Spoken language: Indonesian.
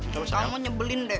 kamu nyebelin deh